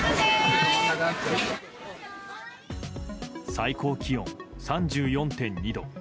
最高気温３４．２度。